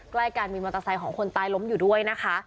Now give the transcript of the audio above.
ใกล้กันมีมอเตอร์ไซค์ของคนตายล้มอยู่ด้วยนะคะ